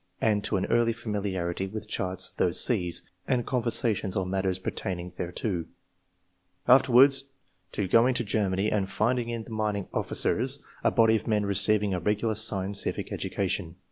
and to early familiarity with charts of those seas, and conversations on matters pertaining thereto. Afterwards, to going to Germany and finding in III.] OBIGIN OF TASTE FOB SCIENCE. 163 the mining officers a body of men receiving a regular scientific education.